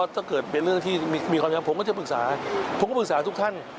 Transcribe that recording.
ท่านอนรรณผมก็ไปอย่างที่บ้าน